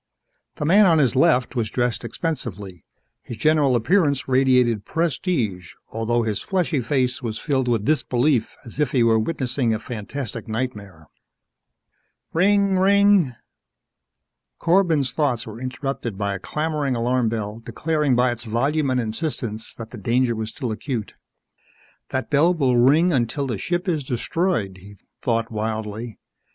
The man on his left was dressed expensively. His general appearance radiated prestige although his fleshy face was filled with disbelief as if he were witnessing a fantastic nightmare. Rinnnng! Rinnnng! Corbin's thoughts were interrupted by a clamoring alarm bell declaring by its volume and insistence that the danger was still acute. That bell will ring until the ship is destroyed, he thought wildly.